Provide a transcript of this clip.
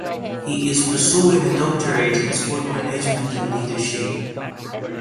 He is pursuing a doctorate in Sport Management and Leadership.